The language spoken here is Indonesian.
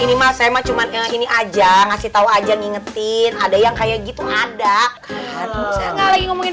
ini mah saya cuma ke sini aja ngasih tahu aja ngingetin ada yang kayak gitu ada lagi ngomongin